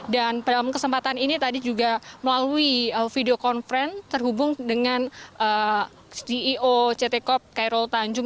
dan dalam kesempatan ini tadi juga melalui video conference terhubung dengan ceo ct corp kairul tanjung